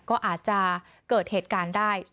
ก็อาจจะเกิดเหตุการณ์ได้